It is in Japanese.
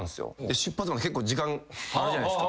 出発まで結構時間あるじゃないっすか。